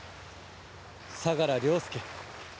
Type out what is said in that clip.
相良凌介。